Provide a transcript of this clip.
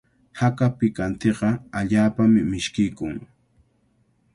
Haka pikantiqa allaapami mishkiykun.